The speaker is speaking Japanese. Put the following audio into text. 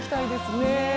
ねえ。